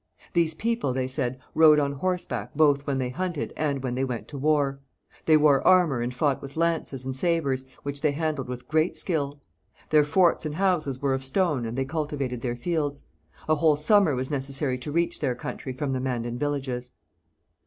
These people, they said, rode on horseback both when they hunted and when they went to war; they wore armour and fought with lances and sabres, which they handled with great skill. Their forts and houses were of stone and they cultivated their fields. A whole summer was necessary to reach their country from the Mandan villages.